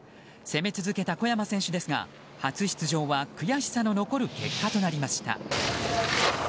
攻め続けた小山選手ですが初出場は悔しさの残る結果となりました。